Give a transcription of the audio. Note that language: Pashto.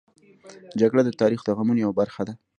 جګړه د تاریخ د غمونو یوه برخه ده